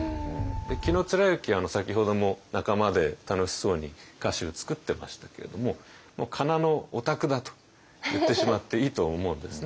紀貫之先ほども仲間で楽しそうに歌集作ってましたけれどももうかなのオタクだと言ってしまっていいと思うんですね。